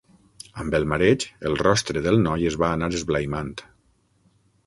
Amb el mareig, el rostre del noi es va anar esblaimant.